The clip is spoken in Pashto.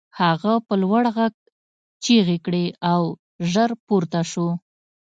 هغه په لوړ غږ چیغې کړې او ژر پورته شو